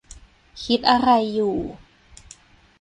คิดอะไรอยู่